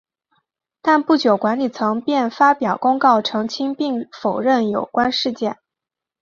但不久管理层便发表公告澄清并否认有关事件。